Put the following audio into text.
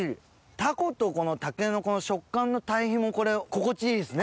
タコとこの筍の食感の対比もこれ心地いいですね。